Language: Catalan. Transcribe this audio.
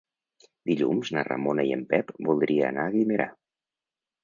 Dilluns na Ramona i en Pep voldria anar a Guimerà.